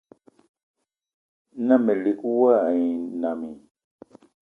Na melig wa e nnam i?